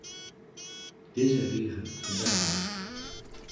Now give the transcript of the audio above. Dizze rige ferbergje.